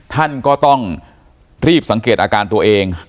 ท่านก็ต้องรีบสังเกตอาการตัวเอง